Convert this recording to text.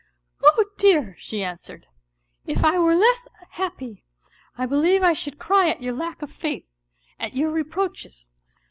" Oh dear !" she answered; " if I were less happy, I believe I should cry at your lack of faith, at your reproaches.